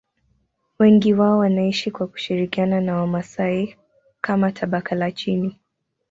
Wengi wao wanaishi kwa kushirikiana na Wamasai kama tabaka la chini.